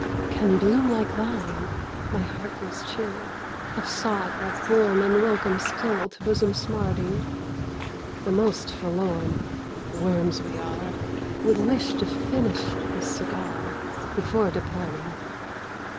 Can bloom like thine—my heart grows chill— Have sought that bourne unwelcome still To bosom smarting? The most forlorn—what worms we are!— Would wish to finish this cigar Before departing.